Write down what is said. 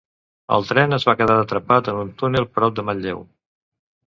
El tren es va quedar atrapat en un túnel prop de Manlleu.